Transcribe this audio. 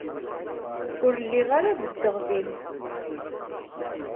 Ur lliɣ ara beddeɣ din.